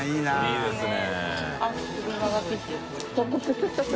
いいですね。